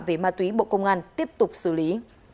về ma túy bộ công an tiếp tục xử lý